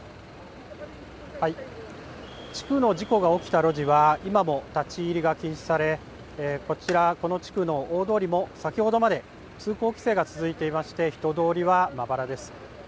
地区の事故が起きた路地は今も立ち入りが禁止されこちら、この地区の大通りも先ほどまで通行規制が続いていまして人通りはまばらです。